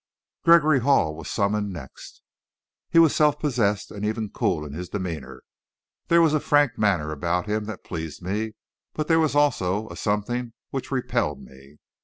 Gregory Hall was summoned next. He was self possessed and even cool in his demeanor. There was a frank manner about him that pleased me, but there was also a something which repelled me.